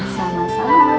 selamat berbuka puasa